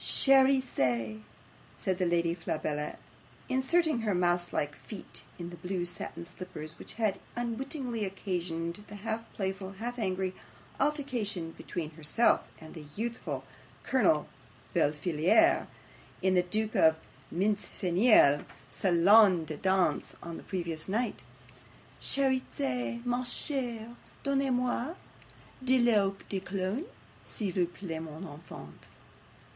'"Cherizette," said the Lady Flabella, inserting her mouse like feet in the blue satin slippers, which had unwittingly occasioned the half playful half angry altercation between herself and the youthful Colonel Befillaire, in the Duke of Mincefenille's SALON DE DANSE on the previous night. "CHERIZETTE, MA CHERE, DONNEZ MOI DE L'EAU DE COLOGNE, S'IL VOUS PLAIT, MON ENFANT."